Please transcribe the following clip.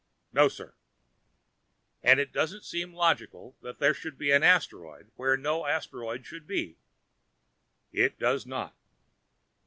"No, sir." "And does it seem logical that there should be an asteroid where no asteroid should be?" "It does not."